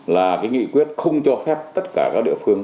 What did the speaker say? là cái nghị quyết không cho phép tất cả các địa phương